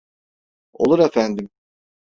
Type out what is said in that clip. Olur efendim.